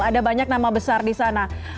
ada banyak nama besar di sana